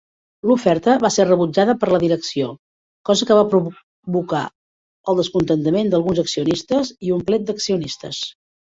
L'oferta va ser rebutjada per la direcció, cosa que va provocar el descontentament d'alguns accionistes i un plet d'accionistes.